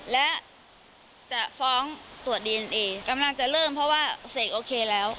และจะฟ้องตรวจดีเอนเอกำลังจะเริ่มเพราะว่าเสกโอเคแล้ว